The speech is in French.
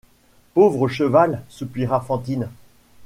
Pauvre cheval, soupira Fantine.